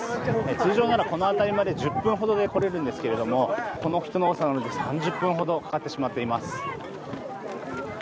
通常ならこの辺りまで１０分ほどで来れるんですがこの人の多さなので３０分ほどかかってしまっています。